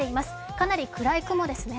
かなり暗い雲ですね。